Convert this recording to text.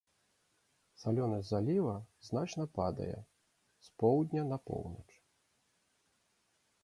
Салёнасць заліва значна падае з поўдня на поўнач.